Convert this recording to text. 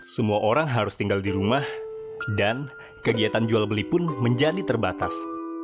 semua orang harus tinggal di rumah dan kegiatan jual beli pun menjadi terbatas